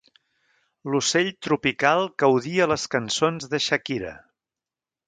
L'ocell tropical que odia les cançons de Shakira.